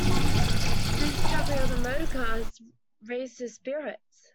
The discovery of the motorcar had raised his spirits.